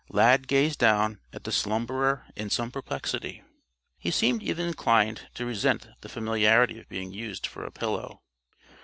Lad gazed down at the slumberer in some perplexity. He seemed even inclined to resent the familiarity of being used for a pillow.